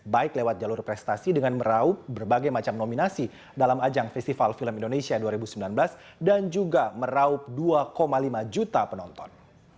baik lewat jalur prestasi dengan meraup berbagai macam nominasi dalam ajang festival film indonesia dua ribu sembilan belas dan juga meraup dua lima juta penonton